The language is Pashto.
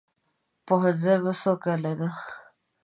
پوهنځی مو څو کاله ده؟